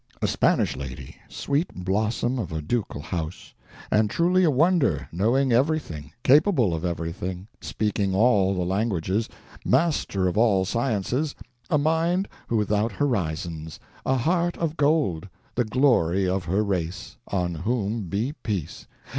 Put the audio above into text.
A Spanish lady, sweet blossom of a ducal house. And truly a wonder; knowing everything, capable of everything; speaking all the languages, master of all sciences, a mind without horizons, a heart of gold, the glory of her race! On whom be peace!"